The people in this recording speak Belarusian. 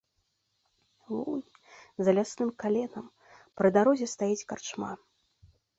Вунь за лясным каленам, пры дарозе стаіць карчма.